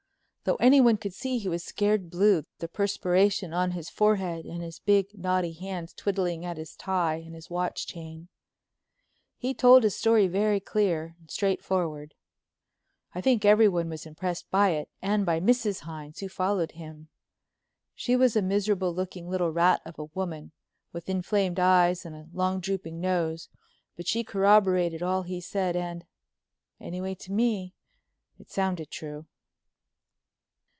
Though anyone could see he was scared blue, the perspiration on his forehead and his big, knotty hands twiddling at his tie and his watch chain; he told his story very clear and straightforward. I think everyone was impressed by it and by Mrs. Hines, who followed him. She was a miserable looking little rat of a woman, with inflamed eyes and a long drooping nose, but she corroborated all he said, and—anyway, to me—it sounded true.